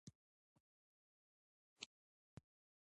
په دانشګاه او پوهنتون شخړه بې ګټې ده.